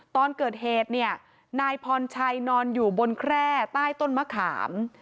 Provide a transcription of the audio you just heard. ตอนเกิดเหตุเนี่ยนายพรชัยนอนอยู่บนแคร่ใต้ต้นมะขาม